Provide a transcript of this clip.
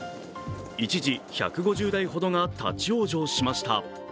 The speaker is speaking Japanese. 一時１５０台ほどが立往生しました。